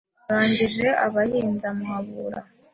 Urangije abahinza Muhabura